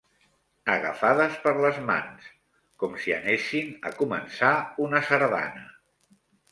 Agafades per les mans, com si anessin a començar una sardana